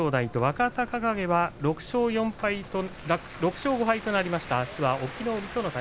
若隆景は６勝５敗となりました。